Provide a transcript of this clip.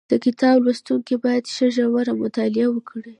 د کتاب لوستونکي باید ښه ژوره مطالعه وکړي